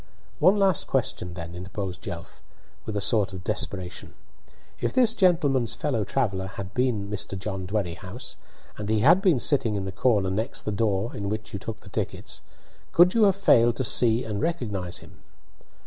"One last question, then," interposed Jelf, with a sort of desperation. "If this gentleman's fellow traveller had been Mr. John Dwerrihouse, and he had been sitting in the corner next the door in which you took the tickets, could you have failed to see and recognise him?"